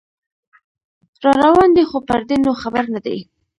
راروان دی خو پردې نو خبر نه دی